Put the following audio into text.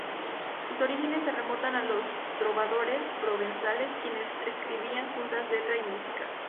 Sus orígenes se remontan a los trovadores provenzales, quienes escribían juntas letra y música.